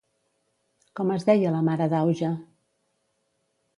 Com es deia la mare d'Auge?